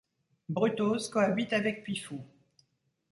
Brutos cohabite avec Pifou.